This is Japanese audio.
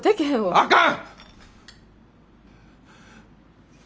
あかん！